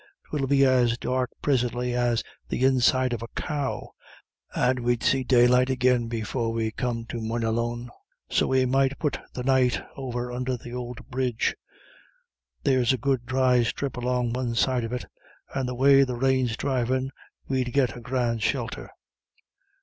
'Twill be as dark prisintly as the inside of a cow, and we'd see daylight agin before we come to Moynalone. So we might put the night over under th'ould bridge. There's a good dry strip along the one side of it, and the way the rain's dhrivin' we'd git a grand shelter."